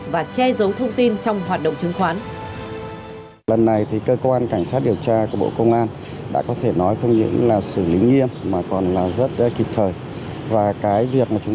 và che giấu thông tin trong hoạt động chứng khoán